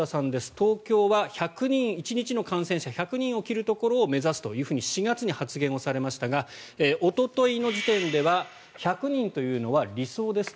東京は１日の感染者１００人を切るところを目指すと４月に発言をされましたがおとといの時点では１００人というのは理想ですと。